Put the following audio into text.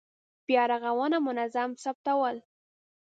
بیا رغونه منظم ثبتول.